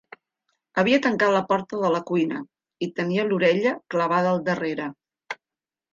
Havia tancat la porta de la cuina i tenia l'orella clavada al darrere.